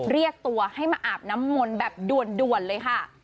เรียกตัวให้มาอาบน้ำมนต์แบบด่วนเลยค่ะ